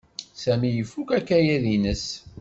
Sami ifuk akayad-nnes.